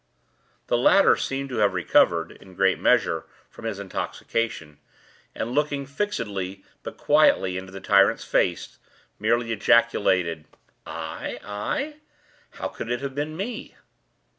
The latter seemed to have recovered, in great measure, from his intoxication, and looking fixedly but quietly into the tyrant's face, merely ejaculated: "I—I? How could it have been me?"